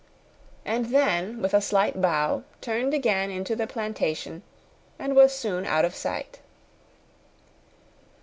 and then, with a slight bow, turned again into the plantation, and was soon out of sight.